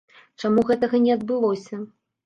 Чаму гэтага не адбылося?